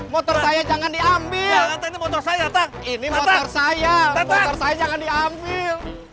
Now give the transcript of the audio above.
motor saya jangan diambil